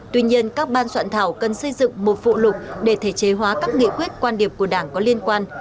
tuy nhiên các ban soạn thảo cần xây dựng một phụ lục để thể chế hóa các nghị quyết quan điểm của đảng có liên quan